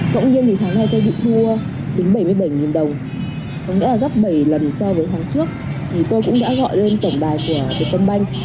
tính bảy mươi bảy đồng có nghĩa là gấp bảy lần so với tháng trước tôi cũng đã gọi lên tổng đài của vietcombank